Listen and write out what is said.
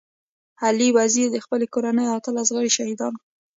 علي وزير د خپلي کورنۍ اتلس غړي شهيدان ورکړي.